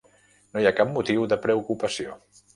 No hi ha cap motiu de preocupació.